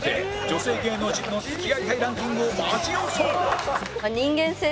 女性芸能人の付き合いたいランキングをマジ予想